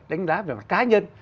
đánh giá về mặt cá nhân